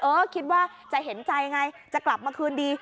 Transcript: คิดว่าจะเห็นใจไงจะกลับมาคืนดี